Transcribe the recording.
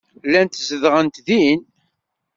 Llant zedɣent din.